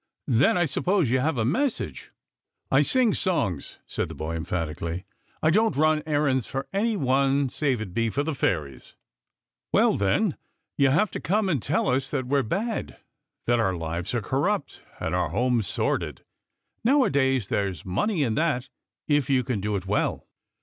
Then 1 suppose you have a message." 206 THE POET'S ALLEGORY 207 " I sing songs," the boy said emphatically. " I don't run errands for any one save it be for the fairies." " Well, then, you have come to tell us that we are bad, that our lives are corrupt and our homes sordid. Nowadays there's money in that if you can do it well."